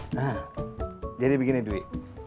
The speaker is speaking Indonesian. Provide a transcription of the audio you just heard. nah jadi begini dwi